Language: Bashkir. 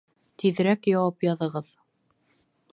Тиҙерәк яуап яҙығыҙ.